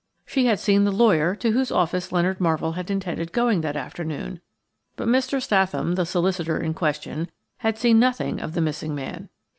She had seen the lawyer to whose office Leonard Marvell had intended going that afternoon, but Mr. Statham, the solicitor in question, had seen nothing of the missing man.